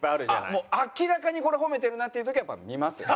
もう明らかにこれ褒めてるなっていう時はやっぱり見ますよ。